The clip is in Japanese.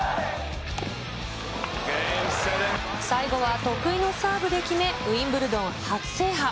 最後は得意のサーブで決め、ウィンブルドン初制覇。